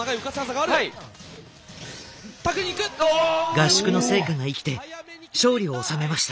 合宿の成果が生きて勝利を収めました。